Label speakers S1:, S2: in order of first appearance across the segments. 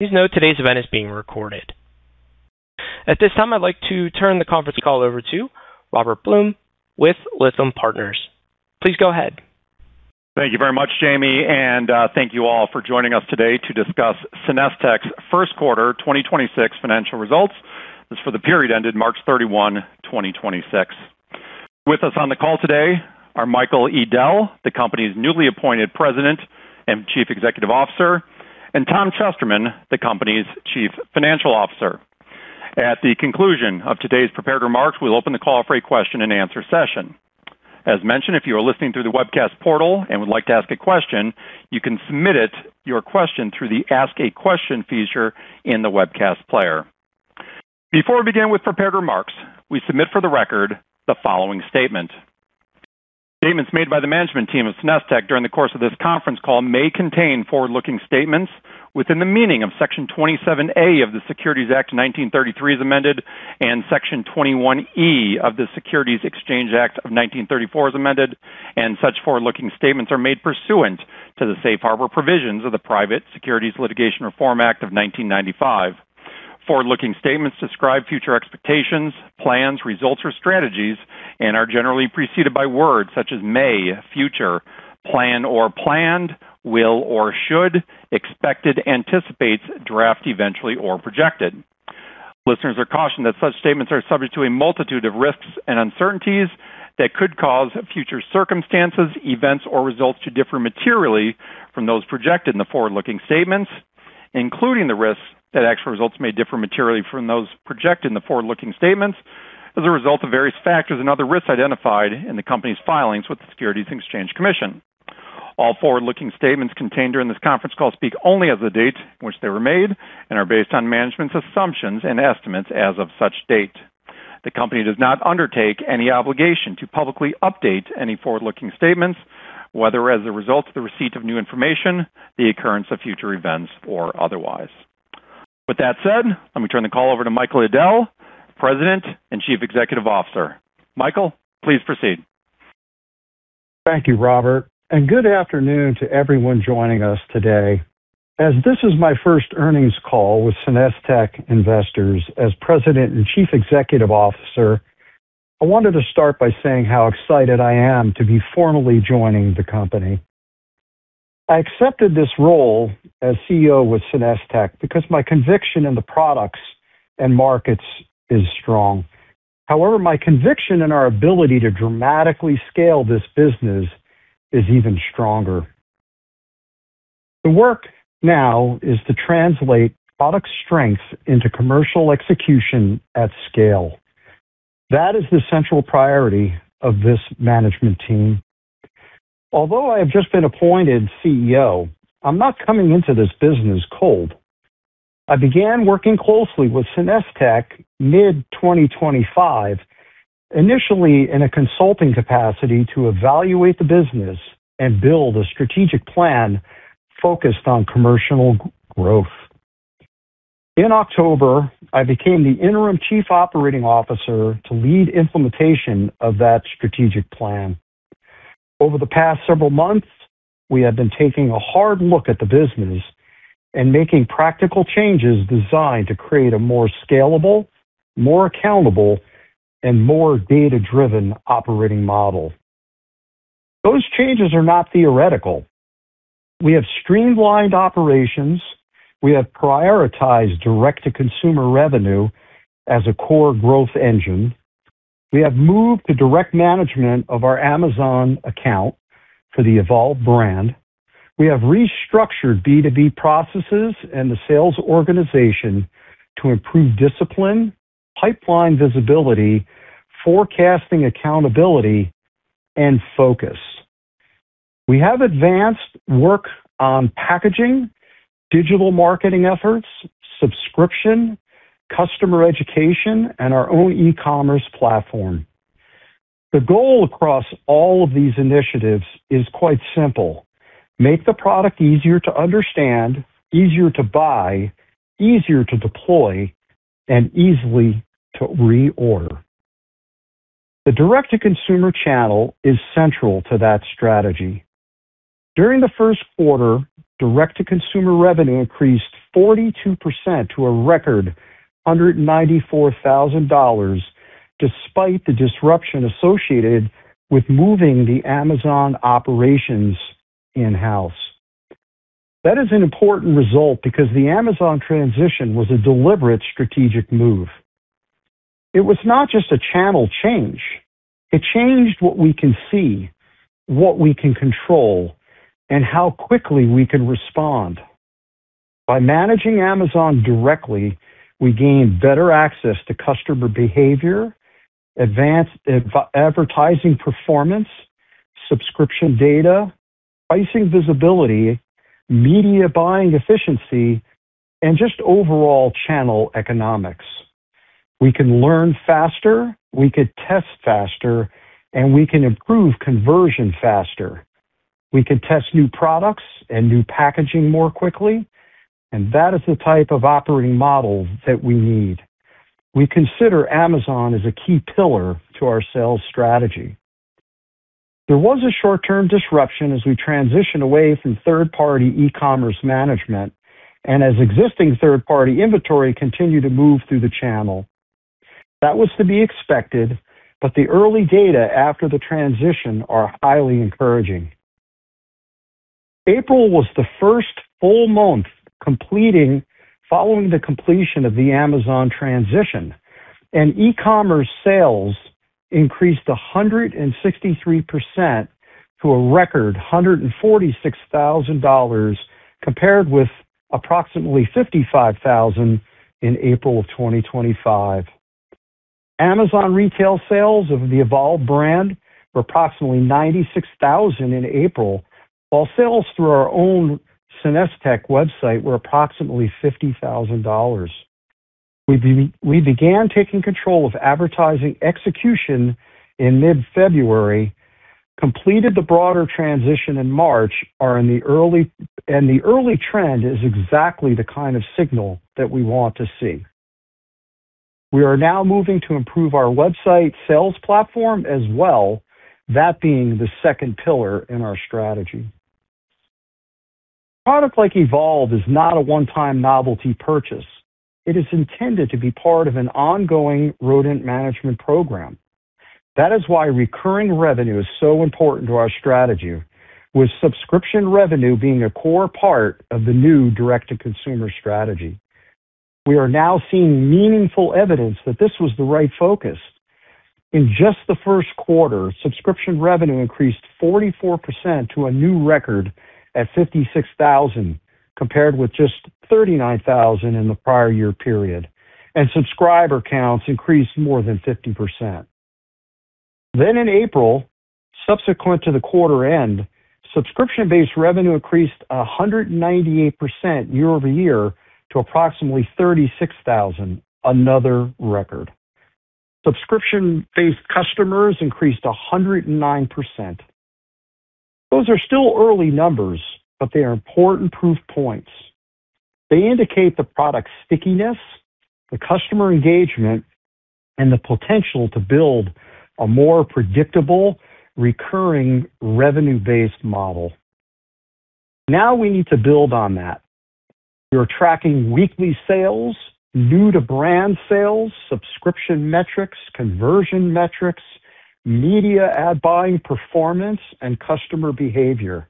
S1: Please note today's event is being recorded. At this time, I'd like to turn the conference call over to Robert Blum with Lytham Partners. Please go ahead.
S2: Thank you very much, Jamie, thank you all for joining us today to discuss SenesTech's Q1 2026 Financial Results. This for the period ended March 31, 2026. With us on the call today are Michael Edell, the company's newly appointed President and Chief Executive Officer, and Tom Chesterman, the company's Chief Financial Officer. At the conclusion of today's prepared remarks, we'll open the call for a question-and-answer session. As mentioned, if you are listening through the webcast portal and would like to ask a question, you can submit it, your question, through the Ask a Question feature in the webcast player. Before we begin with prepared remarks, we submit for the record the following statement. Statements made by the management team of SenesTech during the course of this conference call may contain forward-looking statements within the meaning of Section 27A of the Securities Act of 1933 as amended, and Section 21E of the Securities Exchange Act of 1934 as amended, and such forward-looking statements are made pursuant to the safe harbor provisions of the Private Securities Litigation Reform Act of 1995. Forward-looking statements describe future expectations, plans, results, or strategies and are generally preceded by words such as may, future, plan or planned, will or should, expected, anticipates, draft eventually, or projected. Listeners are cautioned that such statements are subject to a multitude of risks and uncertainties that could cause future circumstances, events, or results to differ materially from those projected in the forward-looking statements, including the risks that actual results may differ materially from those projected in the forward-looking statements as a result of various factors and other risks identified in the company's filings with the Securities and Exchange Commission. All forward-looking statements contained during this conference call speak only as of the date which they were made and are based on management's assumptions and estimates as of such date. The company does not undertake any obligation to publicly update any forward-looking statements, whether as a result of the receipt of new information, the occurrence of future events, or otherwise. With that said, let me turn the call over to Michael Edell, President and Chief Executive Officer. Michael, please proceed.
S3: Thank you, Robert. Good afternoon to everyone joining us today. As this is my first earnings call with SenesTech investors as President and Chief Executive Officer, I wanted to start by saying how excited I am to be formally joining the company. I accepted this role as CEO with SenesTech because my conviction in the products and markets is strong. My conviction in our ability to dramatically scale this business is even stronger. The work now is to translate product strengths into commercial execution at scale. That is the central priority of this management team. Although I have just been appointed CEO, I'm not coming into this business cold. I began working closely with SenesTech mid-2025, initially in a consulting capacity to evaluate the business and build a strategic plan focused on commercial growth. In October, I became the interim chief operating officer to lead implementation of that strategic plan. Over the past several months, we have been taking a hard look at the business and making practical changes designed to create a more scalable, more accountable, and more data-driven operating model. Those changes are not theoretical. We have streamlined operations. We have prioritized direct-to-consumer revenue as a core growth engine. We have moved to direct management of our Amazon account for the Evolve brand. We have restructured B2B processes and the sales organization to improve discipline, pipeline visibility, forecasting accountability, and focus. We have advanced work on packaging, digital marketing efforts, subscription, customer education, and our own e-commerce platform. The goal across all of these initiatives is quite simple: make the product easier to understand, easier to buy, easier to deploy, and easier to reorder. The direct-to-consumer channel is central to that strategy. During the Q1, direct-to-consumer revenue increased 42% to a record $194,000, despite the disruption associated with moving the Amazon operations in-house. That is an important result because the Amazon transition was a deliberate strategic move. It was not just a channel change. It changed what we can see, what we can control, and how quickly we can respond. By managing Amazon directly, we gained better access to customer behavior, advanced advertising performance, subscription data, pricing visibility, media buying efficiency, and just overall channel economics. We can learn faster, we could test faster, and we can improve conversion faster. We can test new products and new packaging more quickly, and that is the type of operating model that we need. We consider Amazon as a key pillar to our sales strategy. There was a short-term disruption as we transitioned away from third-party e-commerce management and as existing third-party inventory continued to move through the channel. That was to be expected. The early data after the transition are highly encouraging. April was the first full month following the completion of the Amazon transition. E-commerce sales increased 163% to a record $146,000 compared with approximately $55,000 in April of 2025. Amazon retail sales of the Evolve brand were approximately $96,000 in April, while sales through our own SenesTech website were approximately $50,000. We began taking control of advertising execution in mid-February, completed the broader transition in March. The early trend is exactly the kind of signal that we want to see. We are now moving to improve our website sales platform as well, that being the second pillar in our strategy. A product like Evolve is not a one-time novelty purchase. It is intended to be part of an ongoing rodent management program. That is why recurring revenue is so important to our strategy, with subscription revenue being a core part of the new direct-to-consumer strategy. We are now seeing meaningful evidence that this was the right focus. In just the Q1, subscription revenue increased 44% to a new record at $56,000, compared with just $39,000 in the prior year period, and subscriber counts increased more than 50%. In April, subsequent to the quarter end, subscription-based revenue increased 198% year-over-year to approximately $36,000, another record. Subscription-based customers increased 109%. Those are still early numbers, but they are important proof points. They indicate the product stickiness, the customer engagement, and the potential to build a more predictable, recurring revenue-based model. Now we need to build on that. We are tracking weekly sales, new-to-brand sales, subscription metrics, conversion metrics, media ad buying performance, and customer behavior.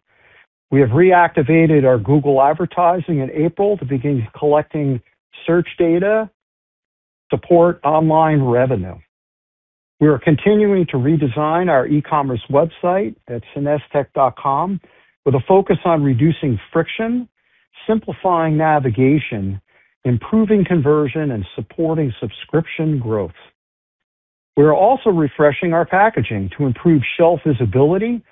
S3: We have reactivated our Google advertising in April to begin collecting search data to support online revenue. We are continuing to redesign our e-commerce website at senestech.com with a focus on reducing friction, simplifying navigation, improving conversion, and supporting subscription growth. We are also refreshing our packaging to improve shelf visibility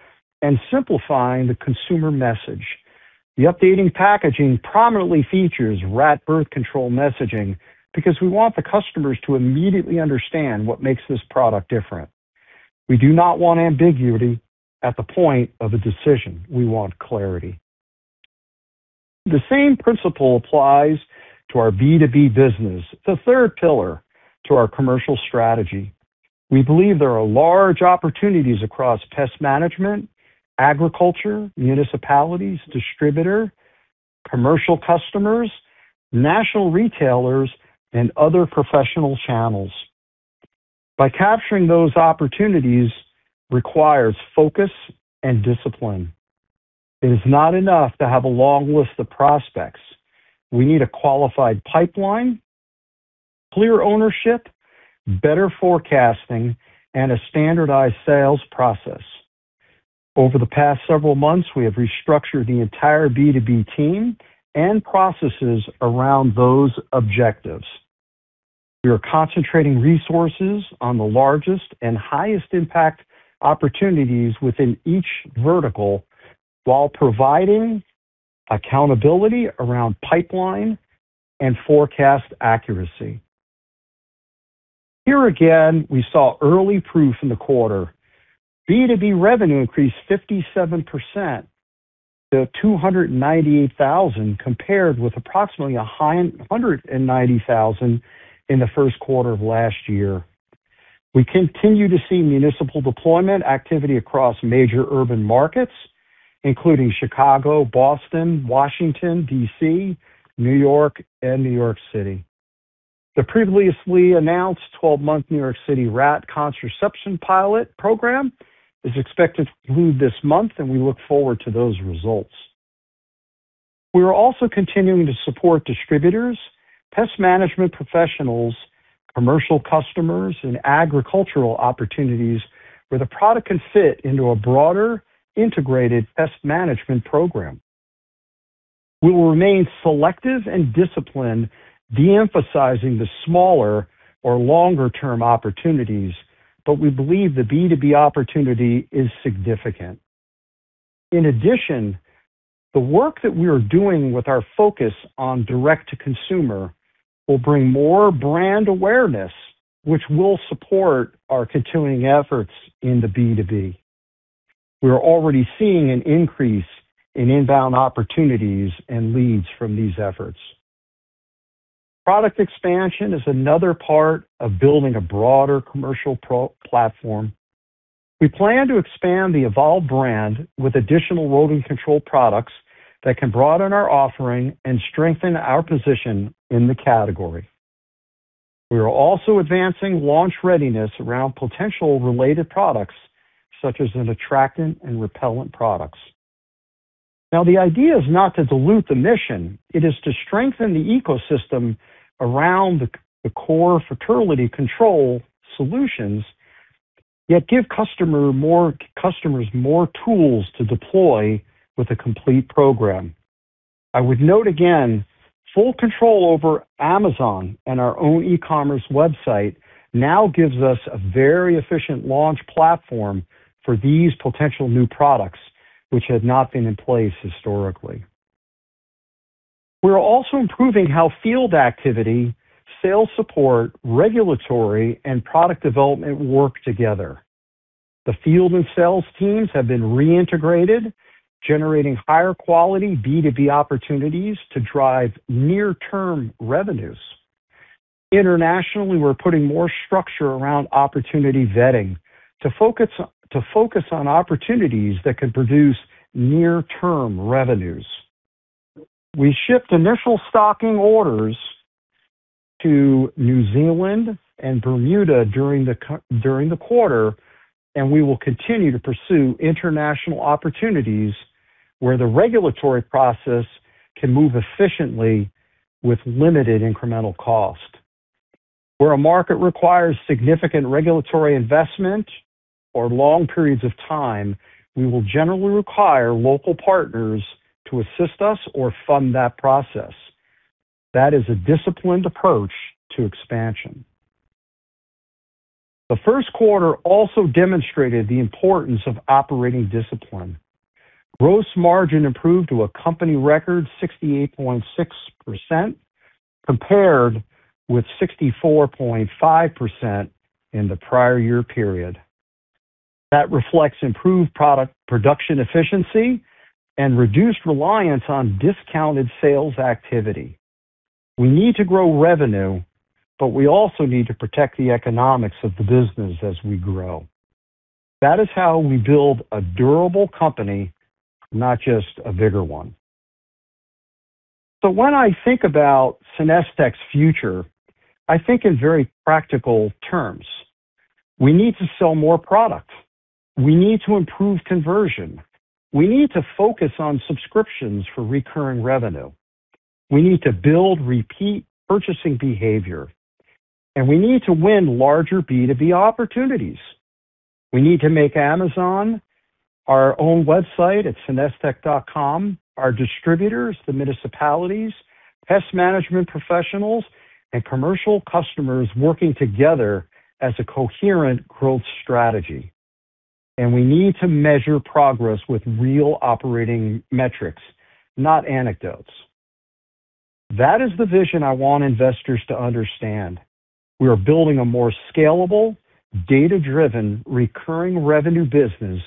S3: and simplifying the consumer message. The updating packaging prominently features rat birth control messaging because we want the customers to immediately understand what makes this product different. We do not want ambiguity at the point of a decision. We want clarity. The same principle applies to our B2B business, the third pillar to our commercial strategy. We believe there are large opportunities across pest management, agriculture, municipalities, distributor, commercial customers, national retailers, and other professional channels. By capturing those opportunities requires focus and discipline. It is not enough to have a long list of prospects. We need a qualified pipeline, clear ownership, better forecasting, and a standardized sales process. Over the past several months, we have restructured the entire B2B team and processes around those objectives. We are concentrating resources on the largest and highest impact opportunities within each vertical while providing accountability around pipeline and forecast accuracy. Here again, we saw early proof in the quarter. B2B revenue increased 57% to $298,000 compared with approximately $190,000 in the Q1 of last year. We continue to see municipal deployment activity across major urban markets, including Chicago, Boston, Washington, D.C., New York, and New York City. The previously announced 12-month New York City rat contraception pilot program is expected to conclude this month. We look forward to those results. We are also continuing to support distributors, pest management professionals, commercial customers, and agricultural opportunities where the product can fit into a broader integrated pest management program. We will remain selective and disciplined, de-emphasizing the smaller or longer-term opportunities. We believe the B2B opportunity is significant. In addition, the work that we are doing with our focus on direct to consumer will bring more brand awareness, which will support our continuing efforts in the B2B. We are already seeing an increase in inbound opportunities and leads from these efforts. Product expansion is another part of building a broader commercial platform. We plan to expand the Evolve brand with additional rodent control products that can broaden our offering and strengthen our position in the category. We are also advancing launch readiness around potential related products, such as an attractant and repellent products. Now, the idea is not to dilute the mission. It is to strengthen the ecosystem around the core fertility control solutions, yet give customers more tools to deploy with a complete program. I would note again, full control over Amazon and our own e-commerce website now gives us a very efficient launch platform for these potential new products which had not been in place historically. We are also improving how field activity, sales support, regulatory, and product development work together. The field and sales teams have been reintegrated, generating higher quality B2B opportunities to drive near-term revenues. Internationally, we're putting more structure around opportunity vetting to focus on opportunities that can produce near-term revenues. We shipped initial stocking orders to New Zealand and Bermuda during the quarter. We will continue to pursue international opportunities where the regulatory process can move efficiently with limited incremental cost. Where a market requires significant regulatory investment or long periods of time, we will generally require local partners to assist us or fund that process. That is a disciplined approach to expansion. The Q1 also demonstrated the importance of operating discipline. Gross margin improved to a company record 68.6%, compared with 64.5% in the prior year period. That reflects improved product production efficiency and reduced reliance on discounted sales activity. We need to grow revenue, but we also need to protect the economics of the business as we grow. That is how we build a durable company, not just a bigger one. When I think about SenesTech's future in very practical terms. We need to sell more product. We need to improve conversion. We need to focus on subscriptions for recurring revenue. We need to build repeat purchasing behavior, and we need to win larger B2B opportunities. We need to make Amazon our own website at senestech.com, our distributors, the municipalities, pest management professionals, and commercial customers working together as a coherent growth strategy. We need to measure progress with real operating metrics, not anecdotes. That is the vision I want investors to understand. We are building a more scalable, data-driven, recurring revenue business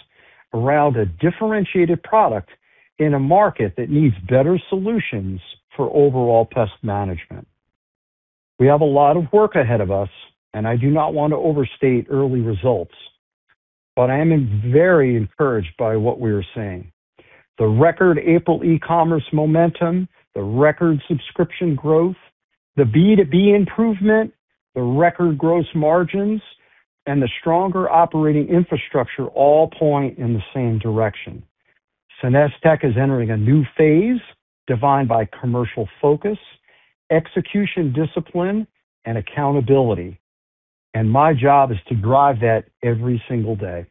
S3: around a differentiated product in a market that needs better solutions for overall pest management. We have a lot of work ahead of us, and I do not want to overstate early results, but I am very encouraged by what we are seeing. The record April e-commerce momentum, the record subscription growth, the B2B improvement, the record gross margins, and the stronger operating infrastructure all point in the same direction. SenesTech is entering a new phase defined by commercial focus, execution discipline, and accountability, and my job is to drive that every single day.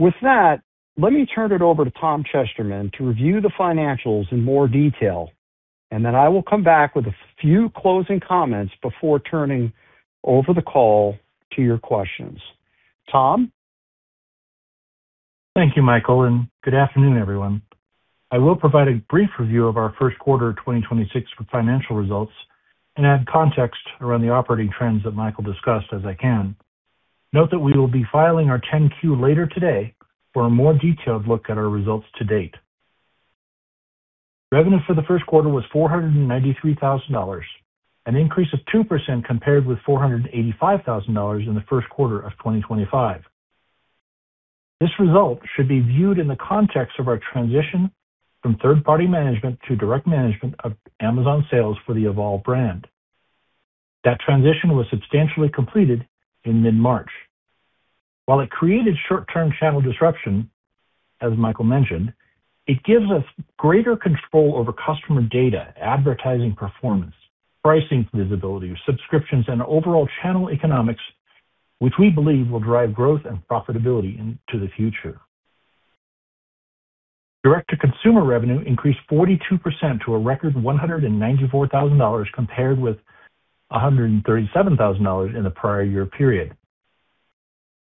S3: With that, let me turn it over to Tom Chesterman to review the financials in more detail, and then I will come back with a few closing comments before turning over the call to your questions. Tom?
S4: Thank you, Michael, and good afternoon, everyone. I will provide a brief review of our Q1 of 2026 financial results and add context around the operating trends that Michael discussed as I can. Note that we will be filing our 10-Q later today for a more detailed look at our results to date. Revenue for the Q1 was $493,000, an increase of 2% compared with $485,000 in the Q1 of 2025. This result should be viewed in the context of our transition from third-party management to direct management of Amazon sales for the Evolve brand. That transition was substantially completed in mid-March. While it created short-term channel disruption, as Michael mentioned, it gives us greater control over customer data, advertising performance, pricing visibility, subscriptions, and overall channel economics, which we believe will drive growth and profitability into the future. Direct-to-consumer revenue increased 42% to a record $194,000 compared with $137,000 in the prior year period.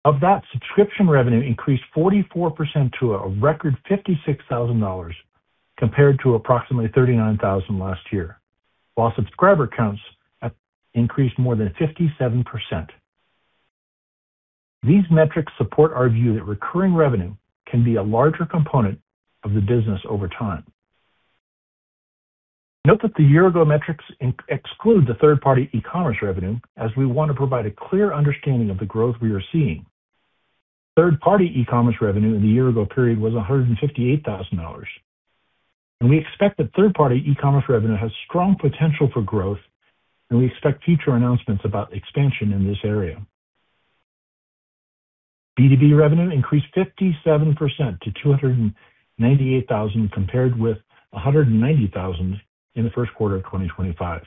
S4: Of that, subscription revenue increased 44% to a record $56,000 compared to approximately $39,000 last year. While subscriber counts have increased more than 57%. These metrics support our view that recurring revenue can be a larger component of the business over time. Note that the year-ago metrics exclude the third-party e-commerce revenue as we want to provide a clear understanding of the growth we are seeing. Third-party e-commerce revenue in the year-ago period was $158,000. We expect that third-party e-commerce revenue has strong potential for growth, and we expect future announcements about expansion in this area. B2B revenue increased 57% to $298,000, compared with $190,000 in the Q1 of 2025.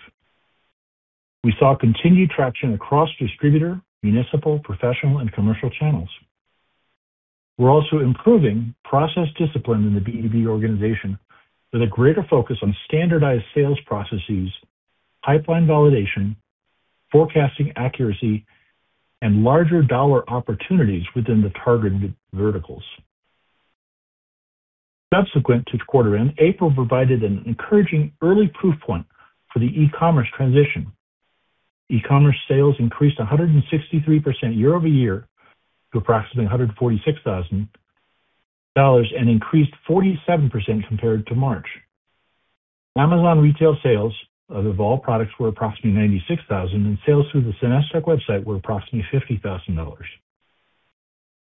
S4: We saw continued traction across distributor, municipal, professional, and commercial channels. We're also improving process discipline in the B2B organization with a greater focus on standardized sales processes, pipeline validation, forecasting accuracy, and larger dollar opportunities within the targeted verticals. Subsequent to the quarter end, April provided an encouraging early proof point for the e-commerce transition. E-commerce sales increased 163% year-over-year to approximately $146,000 and increased 47% compared to March. Amazon retail sales of Evolve products were approximately $96,000, and sales through the senestech.com website were approximately $50,000.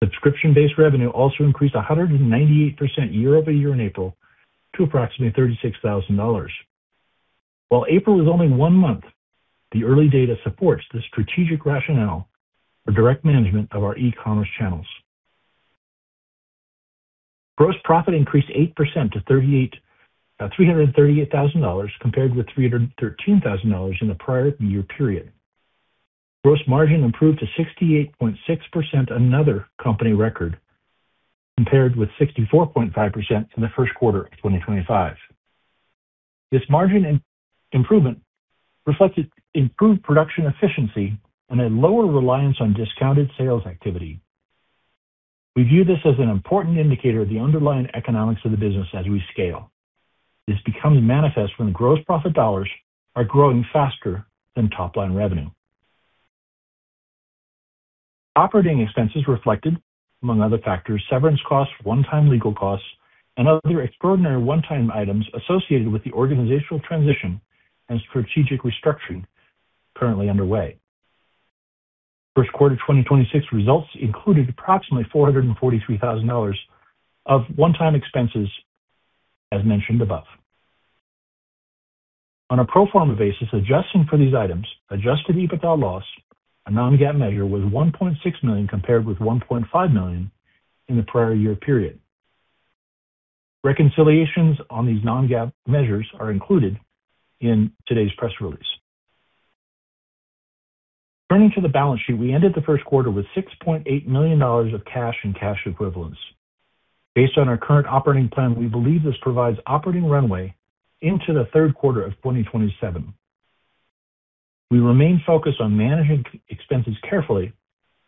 S4: Subscription-based revenue also increased 198% year-over-year in April to approximately $36,000. While April is only one month, the early data supports the strategic rationale for direct management of our e-commerce channels. Gross profit increased 8% to $338,000 compared with $313,000 in the prior year period. Gross margin improved to 68.6%, another company record, compared with 64.5% in the Q1 of 2025. This margin improvement reflected improved production efficiency and a lower reliance on discounted sales activity. We view this as an important indicator of the underlying economics of the business as we scale. This becomes manifest when gross profit dollars are growing faster than top-line revenue. Operating expenses reflected, among other factors, severance costs, one-time legal costs, and other extraordinary one-time items associated with the organizational transition and strategic restructuring currently underway. Q1 2026 results included approximately $443,000 of one-time expenses, as mentioned above. On a pro forma basis, adjusting for these items, adjusted EBITDA loss, a non-GAAP measure, was $1.6 million compared with $1.5 million in the prior year period. Reconciliations on these non-GAAP measures are included in today's press release. Turning to the balance sheet, we ended the Q1 with $6.8 million of cash and cash equivalents. Based on our current operating plan, we believe this provides operating runway into the third quarter of 2027. We remain focused on managing expenses carefully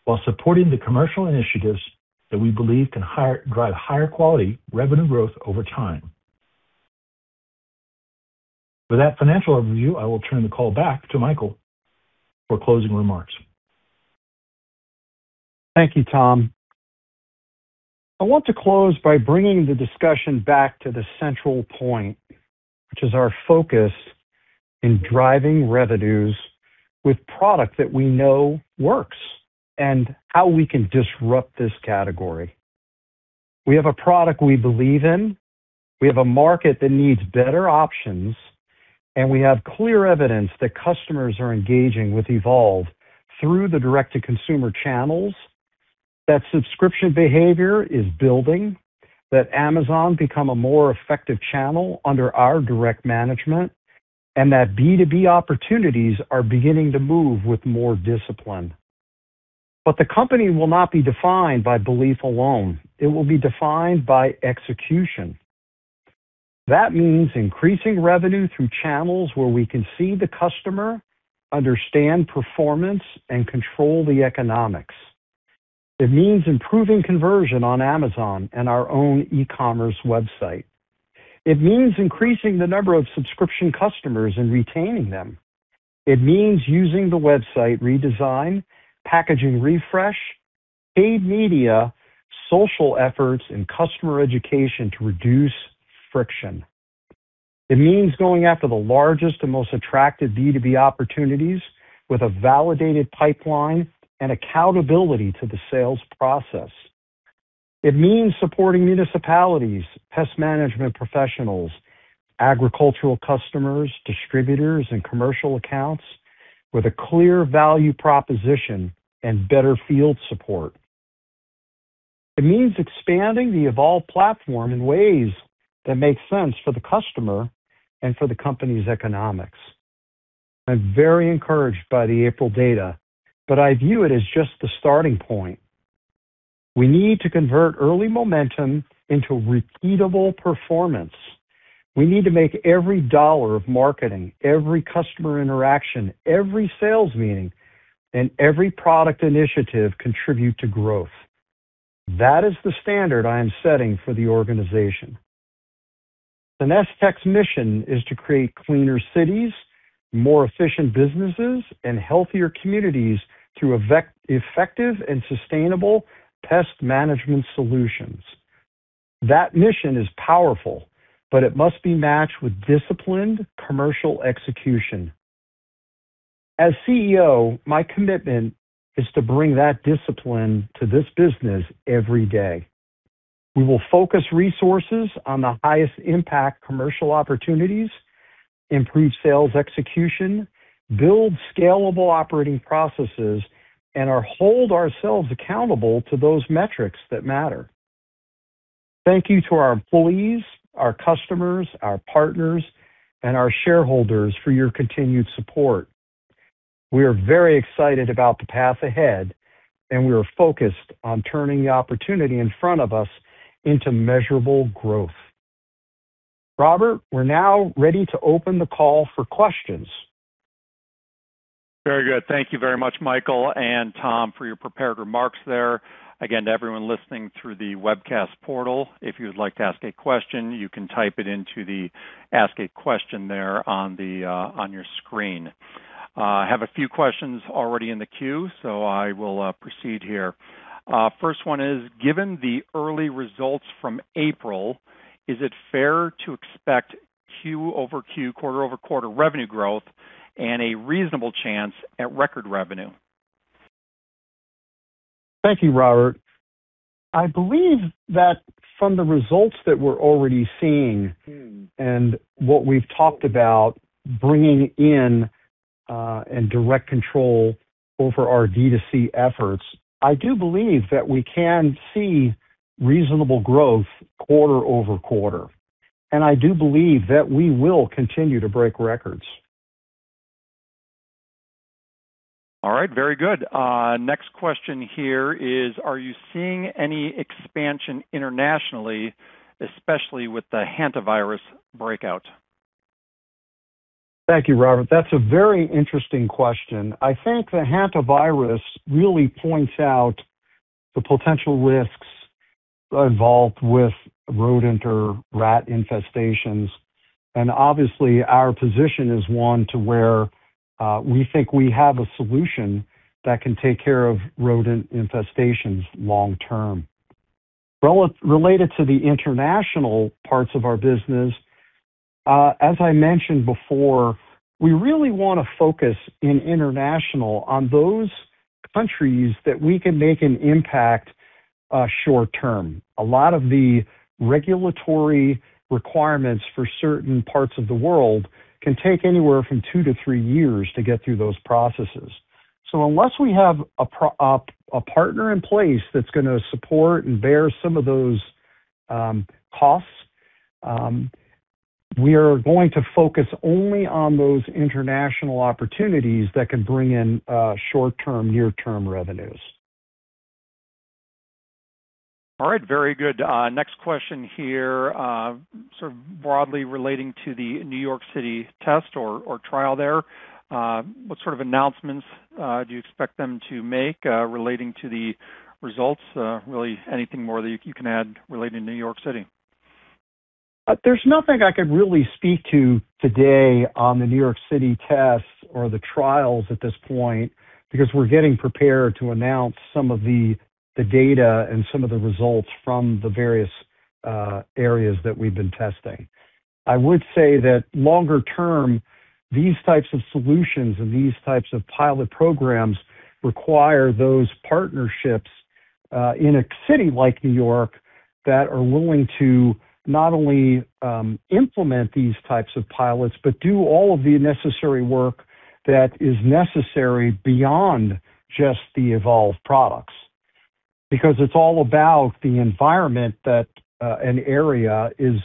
S4: while supporting the commercial initiatives that we believe can drive higher quality revenue growth over time. With that financial overview, I will turn the call back to Michael for closing remarks.
S3: Thank you, Tom. I want to close by bringing the discussion back to the central point, which is our focus in driving revenues with product that we know works and how we can disrupt this category. We have a product we believe in, we have a market that needs better options, and we have clear evidence that customers are engaging with Evolve through the direct-to-consumer channels, that subscription behavior is building, that Amazon become a more effective channel under our direct management, and that B2B opportunities are beginning to move with more discipline. The company will not be defined by belief alone. It will be defined by execution. That means increasing revenue through channels where we can see the customer, understand performance, and control the economics. It means improving conversion on Amazon and our own e-commerce website. It means increasing the number of subscription customers and retaining them. It means using the website redesign, packaging refresh, paid media, social efforts, and customer education to reduce friction. It means going after the largest and most attractive B2B opportunities with a validated pipeline and accountability to the sales process. It means supporting municipalities, pest management professionals, agricultural customers, distributors, and commercial accounts with a clear value proposition and better field support. It means expanding the Evolve platform in ways that make sense for the customer and for the company's economics. I'm very encouraged by the April data, but I view it as just the starting point. We need to convert early momentum into repeatable performance. We need to make every dollar of marketing, every customer interaction, every sales meeting, and every product initiative contribute to growth. That is the standard I am setting for the organization. SenesTech's mission is to create cleaner cities, more efficient businesses, and healthier communities through effective and sustainable pest management solutions. That mission is powerful, but it must be matched with disciplined commercial execution. As CEO, my commitment is to bring that discipline to this business every day. We will focus resources on the highest impact commercial opportunities, improve sales execution, build scalable operating processes, and hold ourselves accountable to those metrics that matter. Thank you to our employees, our customers, our partners, and our shareholders for your continued support. We are very excited about the path ahead, and we are focused on turning the opportunity in front of us into measurable growth. Robert, we're now ready to open the call for questions.
S2: Very good. Thank you very much, Michael and Tom, for your prepared remarks there. Again, to everyone listening through the webcast portal, if you would like to ask a question, you can type it into the Ask a Question there on your screen. I have a few questions already in the queue, so I will proceed here. First one is, given the early results from April, is it fair to expect Q-over-Q, quarter-over-quarter revenue growth and a reasonable chance at record revenue?
S3: Thank you, Robert. I believe that from the results that we're already seeing and what we've talked about bringing in, and direct control over our D2C efforts, I do believe that we can see reasonable growth quarter-over-quarter, and I do believe that we will continue to break records.
S2: All right. Very good. Next question here is, are you seeing any expansion internationally, especially with the hantavirus breakout?
S3: Thank you, Robert. That's a very interesting question. The hantavirus really points out the potential risks involved with rodent or rat infestations. Obviously, our position is one to where we think we have a solution that can take care of rodent infestations long term. Related to the international parts of our business, as I mentioned before, we really wanna focus in international on those countries that we can make an impact short term. A lot of the regulatory requirements for certain parts of the world can take anywhere from two to three years to get through those processes. Unless we have a partner in place that's gonna support and bear some of those costs, we are going to focus only on those international opportunities that can bring in short-term, near-term revenues.
S2: All right. Very good. Next question here, broadly relating to the New York City test or trial there. What announcements do you expect them to make relating to the results? Really anything more that you can add relating to New York City?
S3: There's nothing I could really speak to today on the New York City tests or the trials at this point because we're getting prepared to announce some of the data and some of the results from the various areas that we've been testing. I would say that longer term, these types of solutions and these types of pilot programs require those partnerships in a city like New York that are willing to not only implement these types of pilots, but do all of the necessary work that is necessary beyond just the Evolve products. It's all about the environment that an area is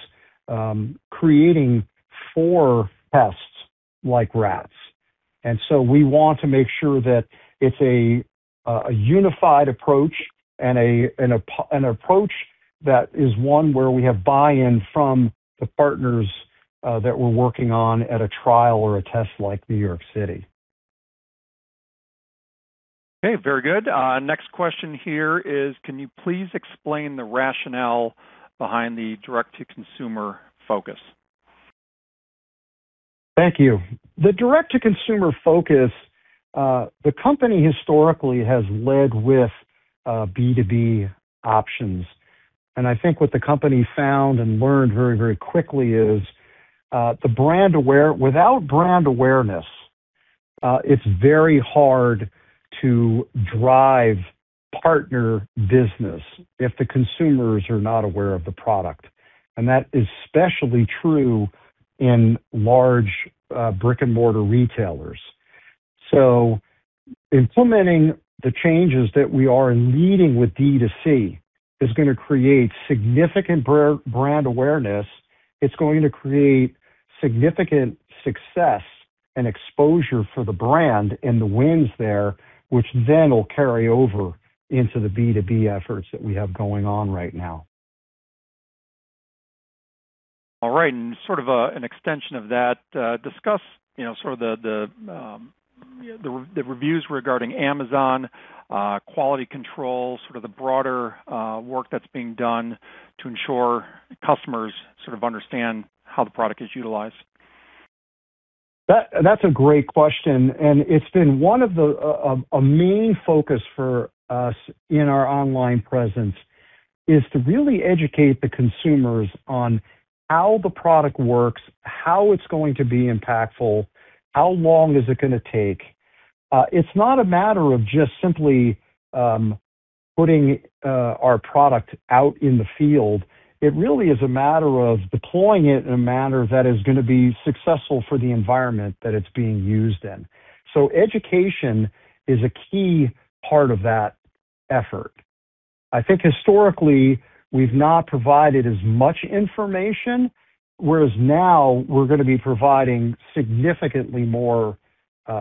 S3: creating for pests like rats. We want to make sure that it's a unified approach and an approach that is one where we have buy-in from the partners that we're working on at a trial or a test like New York City.
S2: Okay, very good. Next question here is, can you please explain the rationale behind the Direct-to-Consumer focus?
S3: Thank you. The direct-to-consumer focus, the company historically has led with B2B options. What the company found and learned very quickly is without brand awareness, it's very hard to drive partner business if the consumers are not aware of the product. That is especially true in large, brick-and-mortar retailers. Implementing the changes that we are leading with D2C is gonna create significant brand awareness. It's going to create significant success and exposure for the brand and the wins there, which then will carry over into the B2B efforts that we have going on right now.
S2: All right. An extension of that, discuss the reviews regarding Amazon quality control the broader work that's being done to ensure customers understand how the product is utilized.
S3: That's a great question, and it's been one of the main focus for us in our online presence is to really educate the consumers on how the product works, how it's going to be impactful, how long is it gonna take. It's not a matter of just simply putting our product out in the field. It really is a matter of deploying it in a manner that is gonna be successful for the environment that it's being used in. Education is a key part of that effort. Historically, we've not provided as much information, whereas now we're gonna be providing significantly more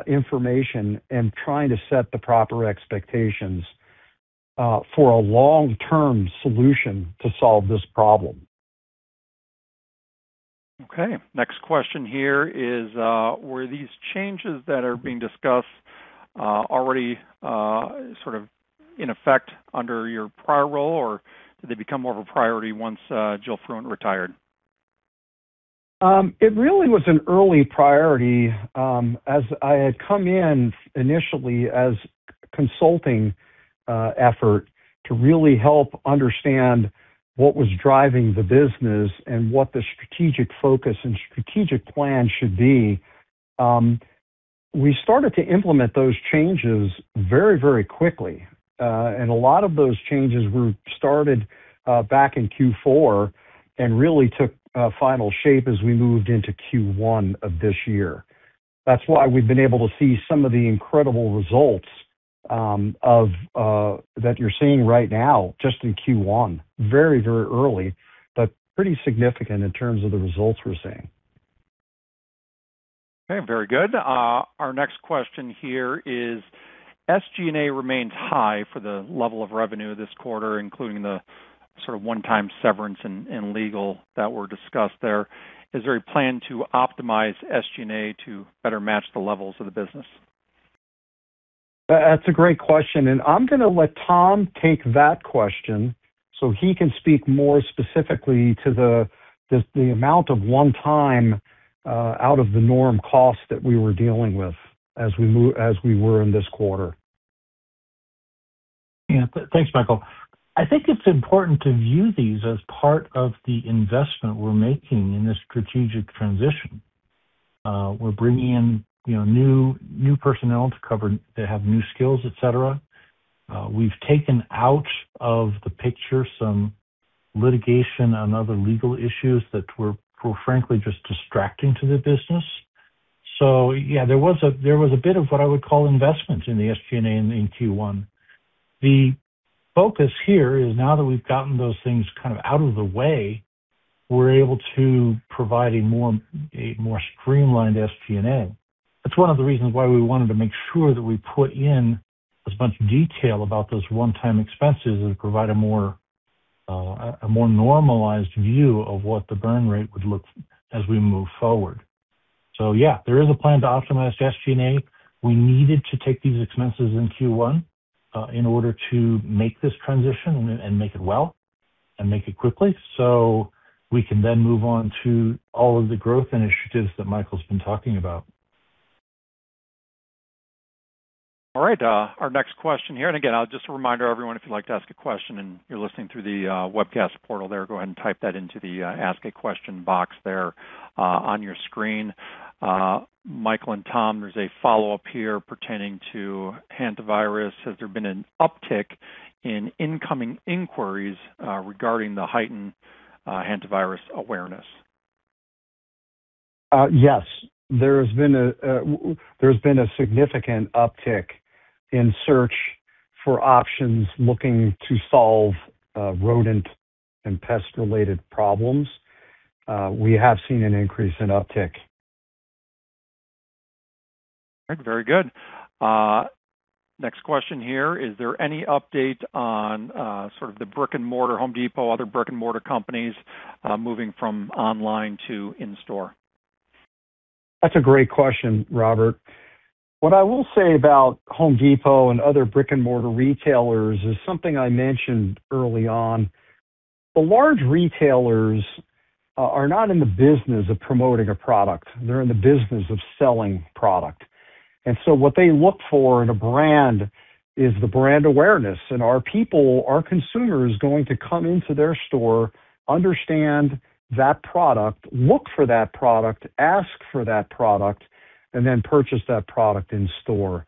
S3: information and trying to set the proper expectations for a long-term solution to solve this problem.
S2: Okay. Next question here is, were these changes that are being discussed already in effect under your prior role, or did they become more of a priority once Joel Fruendt retired?
S3: It really was an early priority. As I had come in initially as consulting effort to really help understand what was driving the business and what the strategic focus and strategic plan should be, we started to implement those changes very, very quickly. A lot of those changes were started back in Q4 and really took final shape as we moved into Q1 of this year. That's why we've been able to see some of the incredible results of that you're seeing right now just in Q1. Very early, but pretty significant in terms of the results we're seeing.
S2: Okay. Very good. Our next question here is SG&A remains high for the level of revenue this quarter, including the one-time severance and legal that were discussed there. Is there a plan to optimize SG&A to better match the levels of the business?
S3: That's a great question, and I'm gonna let Tom take that question so he can speak more specifically to the amount of one-time out of the norm costs that we were dealing with as we were in this quarter.
S4: Thanks, Michael. It's important to view these as part of the investment we're making in this strategic transition. We're bringing in, you know, new personnel to cover that have new skills, et cetera. We've taken out of the picture some litigation on other legal issues that were frankly just distracting to the business. There was a bit of what I would call investments in the SG&A in Q1. The focus here is now that we've gotten those things kind of out of the way, we're able to provide a more streamlined SG&A. That's one of the reasons why we wanted to make sure that we put in as much detail about those one-time expenses and provide a more normalized view of what the burn rate would look as we move forward. Yeah, there is a plan to optimize SG&A. We needed to take these expenses in Q1 in order to make this transition and make it well and make it quickly, so we can then move on to all of the growth initiatives that Michael's been talking about.
S2: Alright, our next question here. Again, just a reminder to everyone, if you'd like to ask a question and you're listening through the webcast portal there, go ahead and type that into the ask a question box there on your screen. Michael and Tom, there's a follow-up here pertaining to hantavirus. Has there been an uptick in incoming inquiries regarding the heightened hantavirus awareness?
S3: Yes. There has been a significant uptick in search for options looking to solve rodent and pest-related problems. We have seen an increase in uptick.
S2: All right. Very good. Next question here. Is there any update on the brick-and-mortar Home Depot, other brick-and-mortar companies, moving from online to in-store?
S3: That's a great question, Robert. What I will say about Home Depot and other brick-and-mortar retailers is something I mentioned early on. The large retailers are not in the business of promoting a product. They're in the business of selling product. What they look for in a brand is the brand awareness and are consumers going to come into their store, understand that product, look for that product, ask for that product, and then purchase that product in store?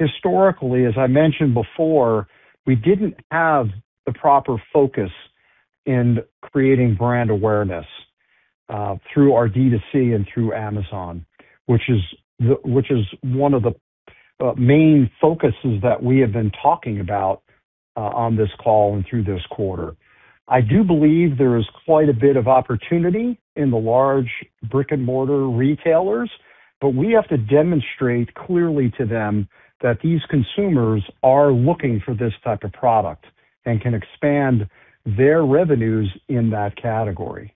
S3: Historically, as I mentioned before, we didn't have the proper focus in creating brand awareness through our D2C and through Amazon, which is one of the main focuses that we have been talking about on this call and through this quarter. I do believe there is quite a bit of opportunity in the large brick-and-mortar retailers. We have to demonstrate clearly to them that these consumers are looking for this type of product and can expand their revenues in that category.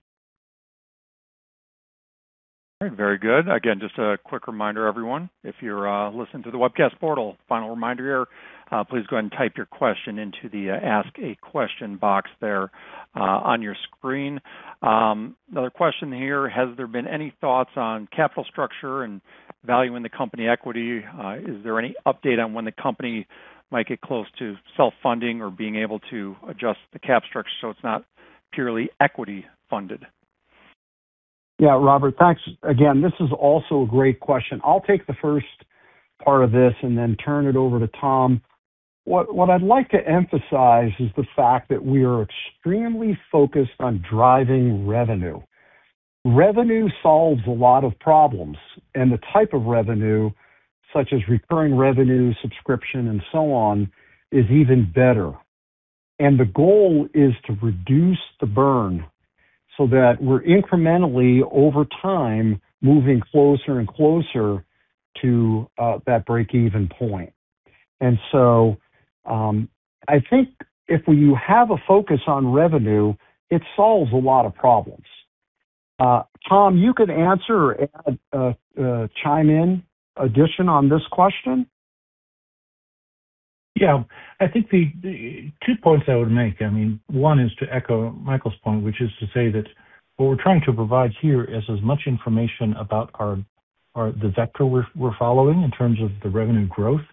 S2: Alright. Very good. Again, just a quick reminder everyone, if you're listening to the webcast portal, final reminder here, please go ahead and type your question into the Ask a Question box there on your screen. Another question here, has there been any thoughts on capital structure and value in the company equity? Is there any update on when the company might get close to self-funding or being able to adjust the cap structure so it's not purely equity funded?
S3: Yeah, Robert, thanks. This is also a great question. I'll take the first part of this and then turn it over to Tom. What I'd like to emphasize is the fact that we are extremely focused on driving revenue. Revenue solves a lot of problems. The type of revenue, such as recurring revenue, subscription, and so on, is even better. The goal is to reduce the burn so that we're incrementally, over time, moving closer and closer to that break-even point. If you have a focus on revenue, it solves a lot of problems. Tom, you could answer or add, chime in addition on this question.
S4: Yeah. The two points I would make. I mean, one is to echo Michael's point, which is to say that what we're trying to provide here is as much information about our, the vector we're following in terms of the revenue growth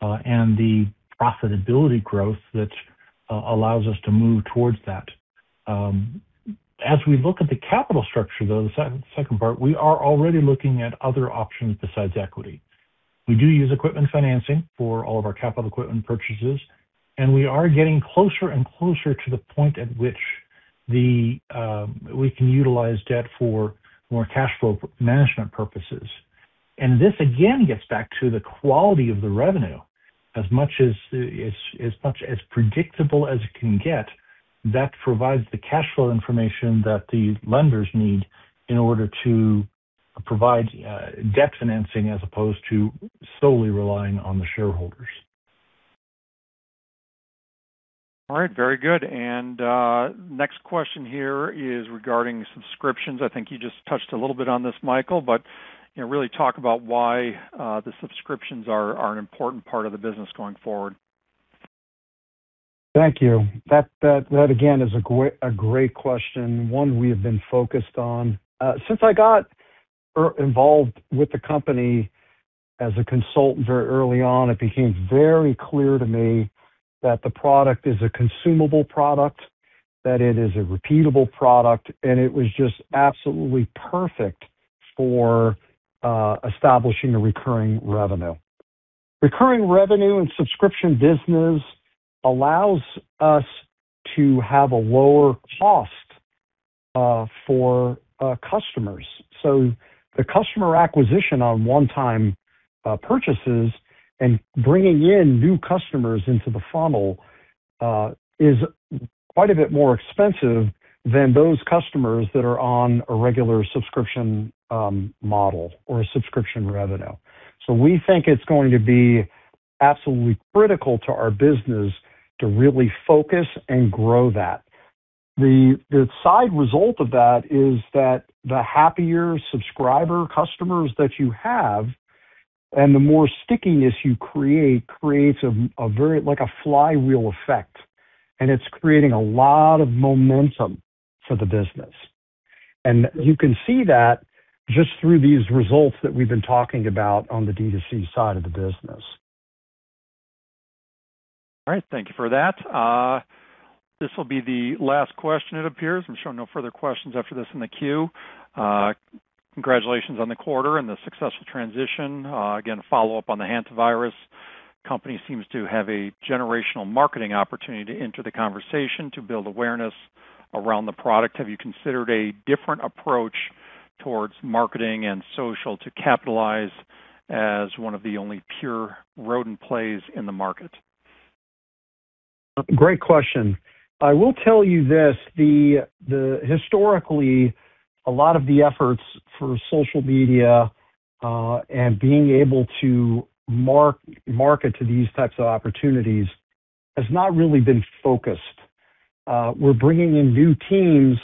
S4: and the profitability growth that allows us to move towards that. As we look at the capital structure, though, the second part, we are already looking at other options besides equity. We do use equipment financing for all of our capital equipment purchases, and we are getting closer and closer to the point at which we can utilize debt for more cash flow management purposes. This again gets back to the quality of the revenue. As much as predictable as it can get, that provides the cash flow information that the lenders need in order to provide debt financing as opposed to solely relying on the shareholders.
S2: Alright. Very good. Next question here is regarding subscriptions. You just touched a little bit on this, Michael, but, you know, really talk about why the subscriptions are an important part of the business going forward.
S3: Thank you. That again is a great question, one we have been focused on. Since I got involved with the company as a consultant very early on, it became very clear to me that the product is a consumable product, that it is a repeatable product, and it was just absolutely perfect for establishing a recurring revenue. Recurring revenue and subscription business allows us to have a lower cost for customers. The customer acquisition on one-time purchases and bringing in new customers into the funnel is quite a bit more expensive than those customers that are on a regular subscription model or a subscription revenue. We think it's going to be absolutely critical to our business to really focus and grow that. The side result of that is that the happier subscriber customers that you have and the more stickiness you create creates a very, like a flywheel effect, and it's creating a lot of momentum for the business. You can see that just through these results that we've been talking about on the D2C side of the business.
S2: Alright. Thank you for that. This will be the last question, it appears. I'm showing no further questions after this in the queue. Congratulations on the quarter and the successful transition. Again, follow up on the hantavirus. Company seems to have a generational marketing opportunity to enter the conversation to build awareness around the product. Have you considered a different approach towards marketing and social to capitalize as one of the only pure rodent plays in the market?
S3: Great question. I will tell you this. The historically, a lot of the efforts for social media, and being able to market to these types of opportunities has not really been focused. We're bringing in new teams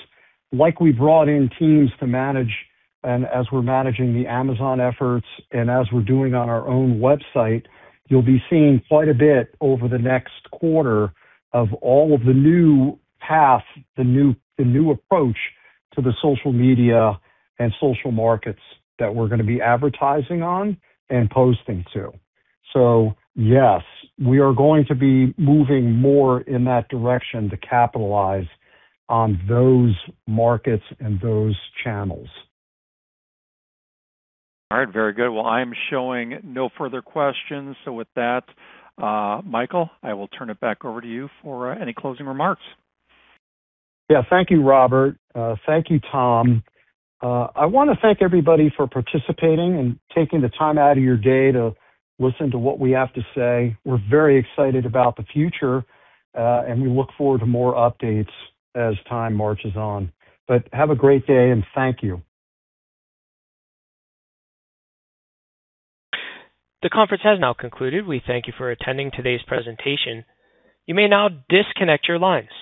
S3: like we brought in teams to manage and as we're managing the Amazon efforts and as we're doing on our own website. You'll be seeing quite a bit over the next quarter of all of the new path, the new approach to the social media and social markets that we're gonna be advertising on and posting to. Yes, we are going to be moving more in that direction to capitalize on those markets and those channels.
S2: All right. Very good. Well, I'm showing no further questions. With that, Michael, I will turn it back over to you for any closing remarks.
S3: Yeah. Thank you, Robert. Thank you, Tom. I wanna thank everybody for participating and taking the time out of your day to listen to what we have to say. We're very excited about the future, and we look forward to more updates as time marches on. Have a great day, and thank you.
S1: The conference has now concluded. We thank you for attending today's presentation. You may now disconnect your lines.